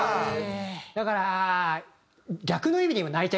だから。